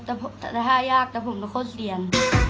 ธรรมทะเท่ายากแต่ผมก็โคตรเสี่ยน